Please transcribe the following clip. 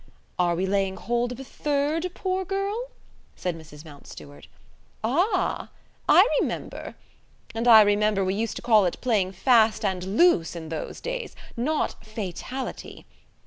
"Are we laying hold of a third poor girl?" said Mrs. Mountstuart. "Ah! I remember. And I remember we used to call it playing fast and loose in those days, not fatality.